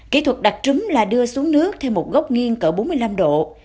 kỹ thuật đặt trứng là đưa xuống nước theo một gốc nghiêng cỡ bốn mươi năm độ